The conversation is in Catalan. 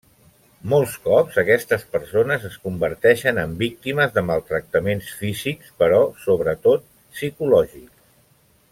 Molts cops aquestes persones es converteixen en víctimes de maltractaments físics, però, sobretot, psicològics.